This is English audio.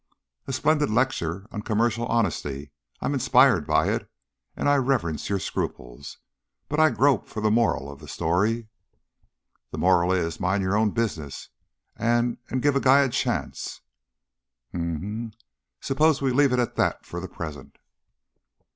"A splendid lecture on commercial honesty. I am inspired by it, and I reverence your scruples, but I grope for the moral of the story." "The moral is, mind your own business and and give a guy a chance." "Um m! Suppose we leave it at that for the present."